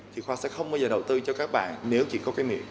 thì khoa sẽ không bao giờ đầu tư cho các bạn nếu chỉ có cái miệng